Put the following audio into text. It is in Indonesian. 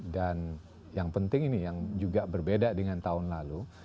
dan yang penting ini yang juga berbeda dengan tahun lalu